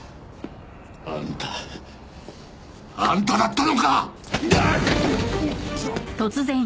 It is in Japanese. あんたあんただったのか！